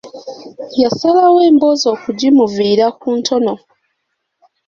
Yasalawo emboozi okugimuviira ku ntono.